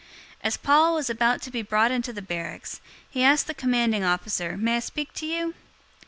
021:037 As Paul was about to be brought into the barracks, he asked the commanding officer, "May I speak to you?"